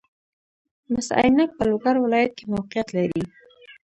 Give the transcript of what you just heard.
مس عینک په لوګر ولایت کې موقعیت لري